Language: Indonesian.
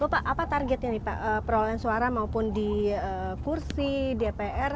bapak apa targetnya nih pak perolohan suara maupun di kursi di apr